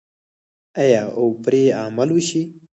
آیا او پرې عمل وشي؟